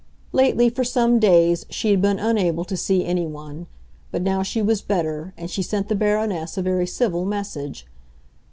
Lately, for some days, she had been unable to see anyone; but now she was better, and she sent the Baroness a very civil message.